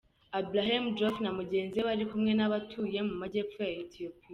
Abrahem Joffe na mugenzi we bari kumwe n’abatuye mu majyepfo ya Etiyopiya.